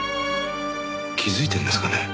気づいてるんですかね？